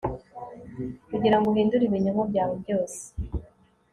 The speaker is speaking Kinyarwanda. kugirango uhindure ibinyoma byawe byose